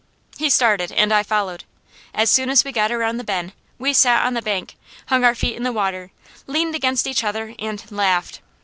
He started and I followed. As soon as we got around the bend we sat on the bank, hung our feet in the water, leaned against each other and laughed.